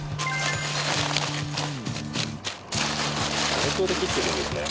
包丁で切ってるんですね。